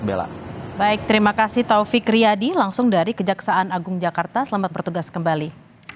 baik terima kasih taufik riyadi langsung dari kejaksaan agung jakarta selamat bertugas kembali